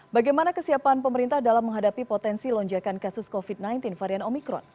bagaimana kesiapan pemerintah dalam menghadapi potensi lonjakan kasus covid sembilan belas varian omikron